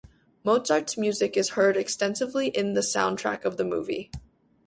Mozart's music is heard extensively in the soundtrack of the movie.